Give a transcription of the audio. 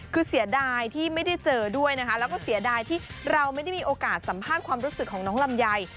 คือเสียดายที่ไม่ได้เจอด้วยนะคะแล้วก็เสียดายที่เราไม่ได้มีโอกาสสัมภาษณ์ความรู้สึกของน้องลำไย